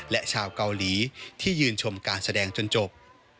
และชาวเกาหลีที่ยืนชมการแสดงจนจบ